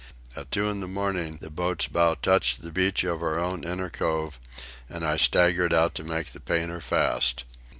At two in the morning the boat's bow touched the beach of our own inner cove and I staggered out to make the painter fast.